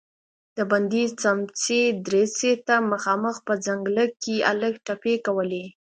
د بندې سمڅې دريڅې ته مخامخ په ځنګله کې هلک ټپې کولې.